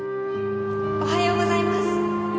おはようございます。